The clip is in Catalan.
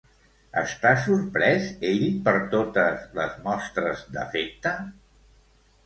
Està sorprès ell per totes les mostres d'afecte?